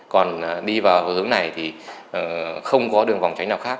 còn đi vào hướng này thì không có đường vòng tránh nào khác